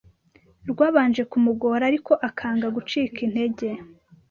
rwabanje kumugora ariko akanga gucika intege.